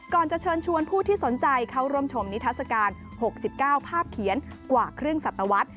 จะเชิญชวนผู้ที่สนใจเข้าร่วมชมนิทัศกาล๖๙ภาพเขียนกว่าครึ่งสัตวรรษ